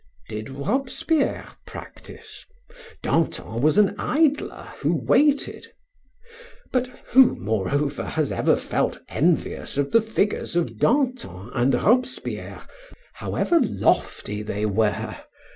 Did Robespierre practise? Danton was an idler who waited. But who, moreover has ever felt envious of the figures of Danton and Robespierre, however lofty they were?